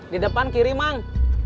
di depan kiri mang